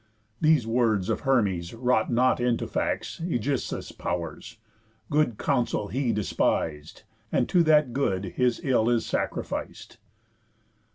These words of Hermes wrought not into facts Ægisthus' powers; good counsel he despis'd, And to that good his ill is sacrific'd."